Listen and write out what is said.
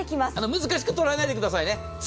難しく捉えないでくださいね。